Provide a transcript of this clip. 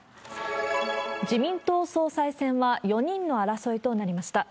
自民党総裁選は４人の争いとなりました。